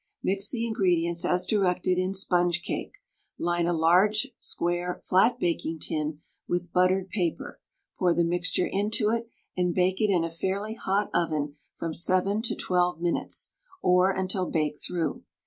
Mix the ingredients as directed in "Sponge Cake," line a large, square, flat baking tin with buttered paper, pour the mixture into it, and bake it in a fairly hot oven from 7 to 12 minutes, or until baked through.